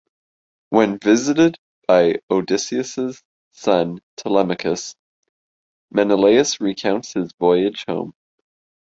When visited by Odysseus' son Telemachus, Menelaus recounts his voyage home.